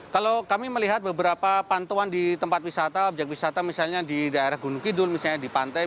kalau kami melihat beberapa pantauan di tempat wisata objek wisata misalnya di daerah gunung kidul misalnya di pantai